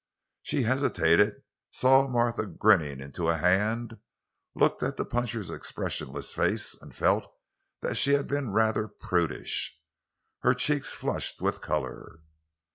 She hesitated, saw Martha grinning into a hand, looked at the puncher's expressionless face, and felt that she had been rather prudish. Her cheeks flushed with color.